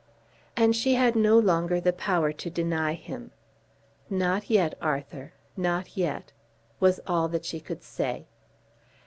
And she had no longer the power to deny him. "Not yet, Arthur; not yet," was all that she could say.